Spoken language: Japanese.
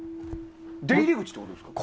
出入り口ってことですか？